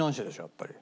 やっぱり。